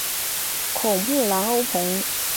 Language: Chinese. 孔布兰欧蓬。